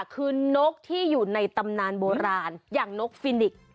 คือนกที่อยู่ในตำนานโบราณอย่างนกฟินิก